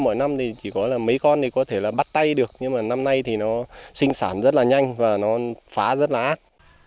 mỗi năm thì chỉ có là mấy con thì có thể là bắt tay được nhưng mà năm nay thì nó sinh sản rất là nhanh và nó phá rất là ác